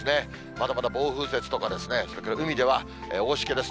まだまだ暴風雪とかですね、それから海では大しけです。